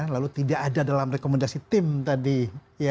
lalu tidak ada dalam rekomendasi tim tadi